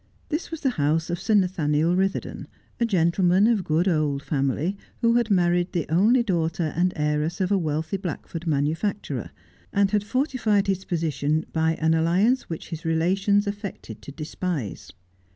This was the house of Sir Nathaniel Bitherdon, a gentleman of good old family, who had married the only daughter and heiress of a wealthy Blackford manufacturer, and had fortified his position by an alliance which his relations affected to despise.